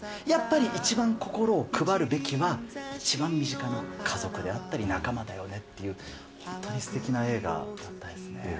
やっぱり一番心を配るべきは、一番身近な家族であったり、仲間だよねっていう、本当にすてきな映画だったですね。